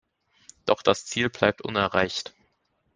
Doch das Ziel bleibt unerreicht.